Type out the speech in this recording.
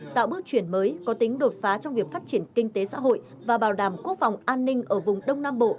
tạo bước chuyển mới có tính đột phá trong việc phát triển kinh tế xã hội và bảo đảm quốc phòng an ninh ở vùng đông nam bộ